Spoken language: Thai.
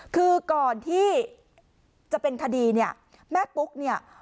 คือก่อนที่จะเป็นคดีเนี่ยแม่ปุ๊กเนี่ย